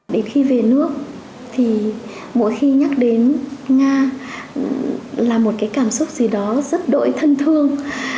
đến khi về nước thì mỗi khi nhắc đến nga là một cái cảm xúc gì đó rất đỗi thân thương